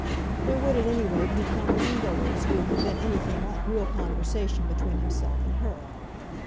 There would, at any rate, be comers and goers, who would prevent anything like real conversation between himself and her.